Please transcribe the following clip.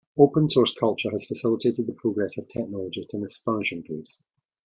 Open source culture has facilitated the progress of technology at an astonishing pace.